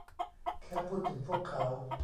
แค่พูดถึงพวกเขา